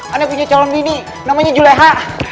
aneh punya calon bibi namanya juleha